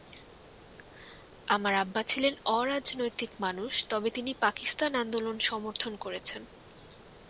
আমার আব্বা ছিলেন অরাজনৈতিক মানুষ, তবে তিনি পাকিস্তান আন্দোলন সমর্থন করেছেন।